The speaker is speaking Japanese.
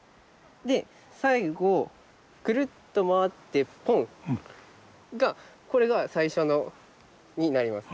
で最後クルっと回ってポンがこれが最初になります。